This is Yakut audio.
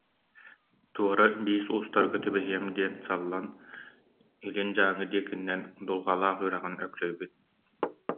Туора биис уустарга түбэһиэм диэн саллан, илин Дьааҥы диэкинэн Дулҕалаах үрэҕин өксөйбүт